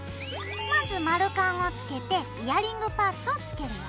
まず丸カンをつけてイヤリングパーツをつけるよ。